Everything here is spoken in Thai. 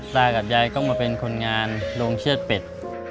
ตากับยายก็มาเป็นคนงานโรงเชื้อปิด